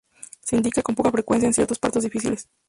Se indica con poca frecuencia en ciertos partos difíciles.